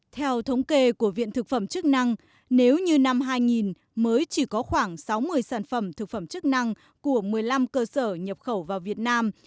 theo thống kê của viện thực phẩm chức năng nếu như năm hai nghìn mới chỉ có khoảng sáu mươi sản phẩm thực phẩm chức năng của một mươi năm cơ sở nhập khẩu vào việt nam